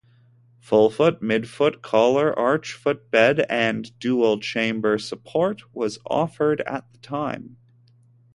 Fullfoot, midfoot, collar, arch, footbed and Dual Chamber support was offered at the time.